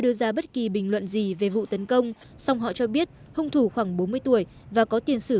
đưa ra bất kỳ bình luận gì về vụ tấn công song họ cho biết hung thủ khoảng bốn mươi tuổi và có tiền sử